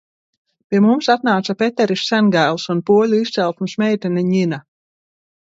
Pie mums atnāca Peteris Sengails un poļu izcelsmes meitene Ņina.